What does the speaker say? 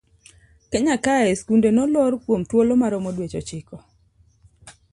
Kenya kae skunde nolor kuom thuolo maromo dweche ochiko.